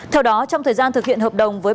theo đó trong thời gian thực hiện hợp đồng với